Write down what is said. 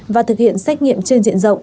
và thực hiện xét nghiệm trên diện rộng